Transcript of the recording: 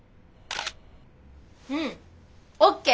うんＯＫ！